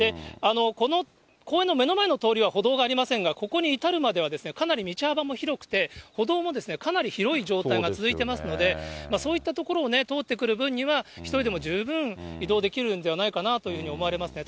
この公園の目の前の通りは歩道がありませんが、ここに至るまでは、かなり道幅も広くて、歩道もかなり広い状態が続いてますので、そういった所を通ってくる分には、１人でも十分移動できるのではないかなと思われますね。